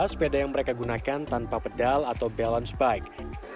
sepeda yang mereka gunakan tanpa pedal atau balance bike